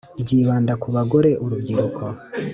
Ryibanda ku bagore urubyiruko